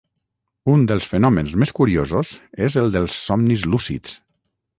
un dels fenòmens més curiosos és el dels somnis lúcids